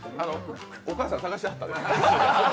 お母さん探してはったよ。